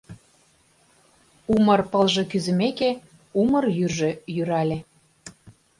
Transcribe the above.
Умыр пылже кӱзымеке, Умыр йӱржӧ йӱрале.